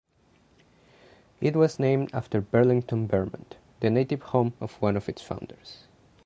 It was named after Burlington, Vermont, the native home of one of its founders.